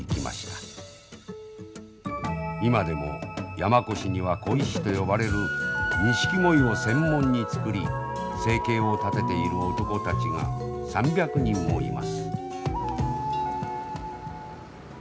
今でも山古志には鯉師と呼ばれるニシキゴイを専門に作り生計を立てている男たちが３００人もいます。